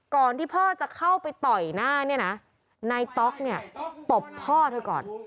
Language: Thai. ก่อนที่พ่อจะเข้าไปต่อยหน้าเนี่ยนะนายต๊อกเนี่ยตบพ่อเธอก่อน